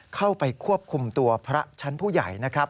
เข้าไปควบคุมตัวพระชั้นผู้ใหญ่นะครับ